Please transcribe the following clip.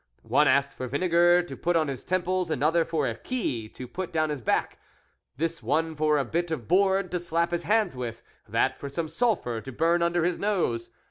One asked for vinegar to put on his temples, another for a key to put down his back, this one for a bit of board to slap his hands with, that for some sulphur to burn under his nose.